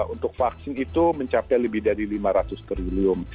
untuk vaksin itu mencapai lebih dari lima ratus triliun